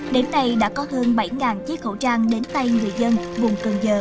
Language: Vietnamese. đến nay đã có hơn bảy chiếc khẩu trang đến tay người dân